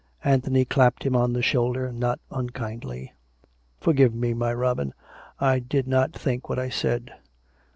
Anthony clapped him on the shoulder, not unkindly. " Forgive me, my Robin. I did not think what I said.